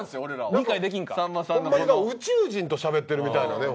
ほんまに宇宙人としゃべってるみたいなね